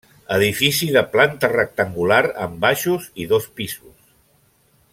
Edifici de planta rectangular amb baixos i dos pisos.